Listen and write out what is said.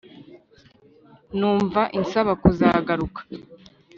numva insaba kuzagaruka